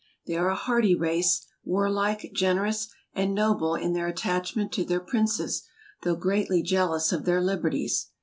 They are a hardy race; warlike, generous, and noble in their attachment to their princes, though greatly jea¬ lous of their liberties.